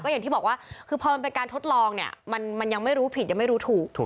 อย่างที่บอกว่าคือพอมันเป็นการทดลองเนี่ยมันยังไม่รู้ผิดยังไม่รู้ถูก